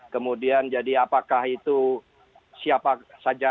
kemudian jadi apakah itu siapa saja